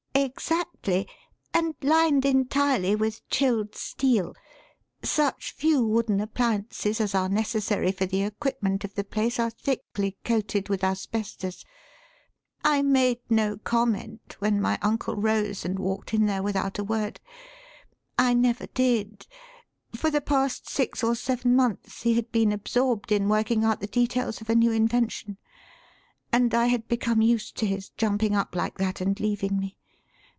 "Exactly and lined entirely with chilled steel. Such few wooden appliances as are necessary for the equipment of the place are thickly coated with asbestos. I made no comment when my uncle rose and walked in there without a word. I never did. For the past six or seven months he had been absorbed in working out the details of a new invention; and I had become used to his jumping up like that and leaving me.